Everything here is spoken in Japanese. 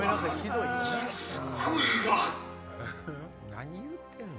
何言うてんの？